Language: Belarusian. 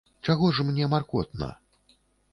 Чаго ж мне маркотна?